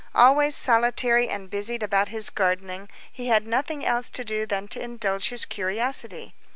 Always solitary and busied about his gardening, he had nothing else to do than to indulge his curiosity.